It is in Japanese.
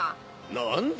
何だ？